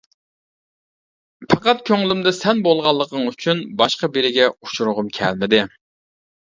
پەقەت كۆڭلۈمدە سەن بولغانلىقىڭ ئۈچۈن باشقا بىرىگە ئۇچرىغۇم كەلمىدى.